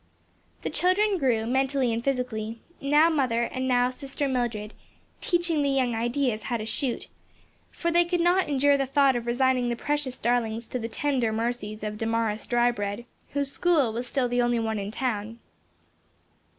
The children grew, mentally and physically, now mother, and now sister Mildred, "teaching the young ideas how to shoot;" for they could not endure the thought of resigning the precious darlings to the tender mercies of Damaris Drybread, whose school was still the only one in town.